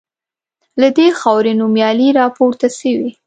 له دې خاوري نومیالي راپورته سوي